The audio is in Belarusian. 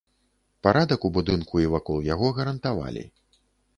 Парадак у будынку і вакол яго гарантавалі.